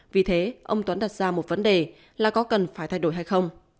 vì thế ông tuấn đặt ra một vấn đề là có cần phải thay đổi hay không